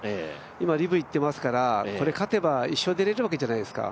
今、リブ行っていますからこれに勝てば一緒に出られるわけじゃないですか。